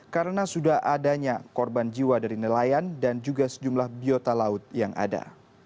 karena sudah adanya korban jiwa dari nelayan dan juga sejumlah biota laut yang ada